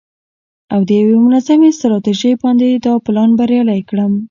او د یوې منظمې ستراتیژۍ باندې دا پلان بریالی کړم.